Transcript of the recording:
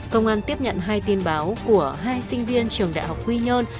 công an tiếp nhận hai tin báo của hai sinh viên trường đại học quy nhơn